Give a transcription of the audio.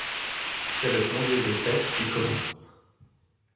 C'est le congé des Fêtes qui commence.